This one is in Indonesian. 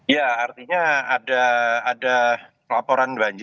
ya artinya ada laporan banjir